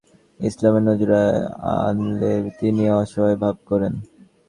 বিষয়টি প্রিসাইডিং কর্মকর্তা নজরুল ইসলামের নজরে আনলে তিনিও অসহায় ভাব করেন।